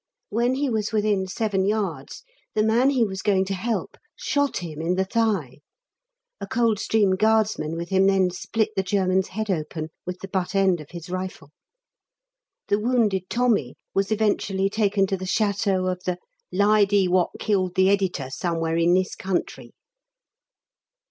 When he was within seven yards, the man he was going to help shot him in the thigh. A Coldstream Guardsman with him then split the German's head open with the butt end of his rifle. The wounded Tommy was eventually taken to the château of the "lidy what killed the Editor somewhere in this country."